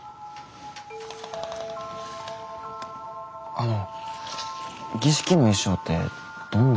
あの儀式の衣装ってどんな。